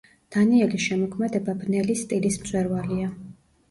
დანიელის შემოქმედება „ბნელი სტილის“ მწვერვალია.